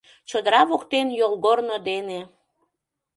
Чодыра воктен йолгорно дене